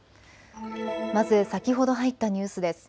まず先ほど入ったニュースです。